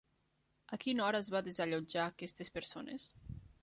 A quina hora es va desallotjar aquestes persones?